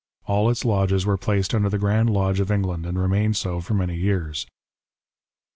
All its lodges were placed under the Grand Lodge of England, and remained so for many years.